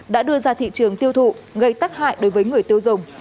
đã đưa ra thị trường tiêu thụ gây tắc hại đối với người tiêu dùng